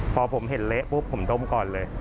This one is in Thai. พอผมเห็นเละปุ๊บผมต้มก่อนเลย